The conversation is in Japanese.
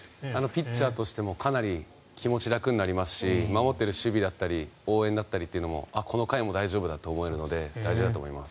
ピッチャーとしてもかなり気持ちが楽になりますし守っている守備だったり応援だったりというのもこの回も大丈夫だと思えるので大事だと思います。